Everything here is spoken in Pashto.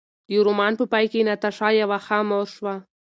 د رومان په پای کې ناتاشا یوه ښه مور شوه.